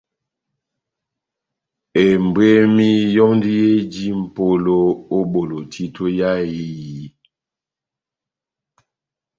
Ebwemi yɔ́ndi eji mʼpolo ó bolo títo yá ehiyi.